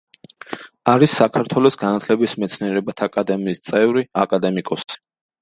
არის საქართველოს განათლების მეცნიერებათა აკადემიის წევრი, აკადემიკოსი.